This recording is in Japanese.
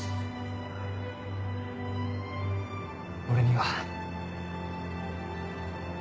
俺には。